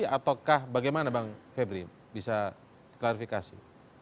ataukah bagaimana bang febri bisa klarifikasi